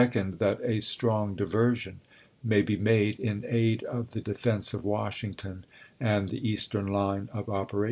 ^r.*^*^^ 2d, That a strong diversion may be made in aid of the ^y^f \^" defense of Washington and the eastern line of operations.